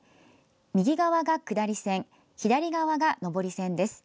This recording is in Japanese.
右側が下り線、左側が上り線です。